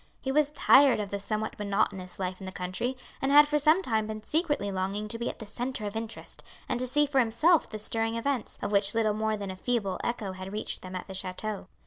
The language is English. He was tired of the somewhat monotonous life in the country, and had for some time been secretly longing to be at the centre of interest, and to see for himself the stirring events, of which little more than a feeble echo had reached them at the chateau.